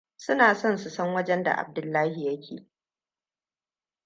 Suna son su san wajenda Abdullahi yake.